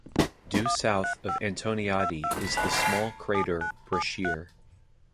Due south of Antoniadi is the small crater Brashear.